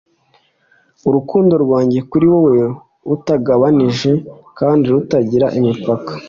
urukundo rwanjye kuri wewe rutagabanijwe kandi rutagira imipaka